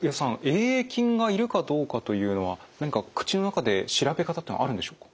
Ａ．ａ．菌がいるかどうかというのは何か口の中で調べ方っていうのはあるんでしょうか？